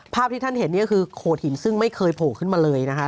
ที่ท่านเห็นเนี่ยก็คือโขดหินซึ่งไม่เคยโผล่ขึ้นมาเลยนะคะ